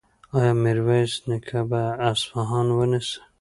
ایا میرویس نیکه به اصفهان ونیسي؟